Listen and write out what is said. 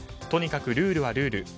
とにかくルールはルール。